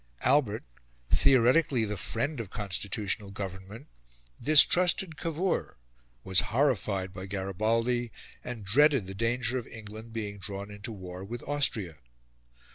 Albert, theoretically the friend of constitutional government, distrusted Cavour, was horrified by Garibaldi, and dreaded the danger of England being drawn into war with Austria.